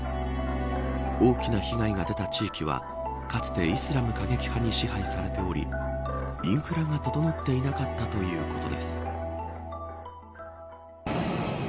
大きな被害が出た地域はかつて、イスラム過激派に支配されておりインフラが整っていなかったということです。